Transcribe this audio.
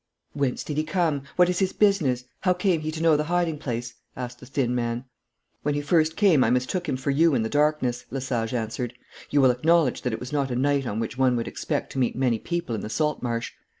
'Whence did he come? What is his business? How came he to know the hiding place?' asked the thin man. 'When he first came I mistook him for you in the darkness,' Lesage answered. 'You will acknowledge that it was not a night on which one would expect to meet many people in the salt marsh.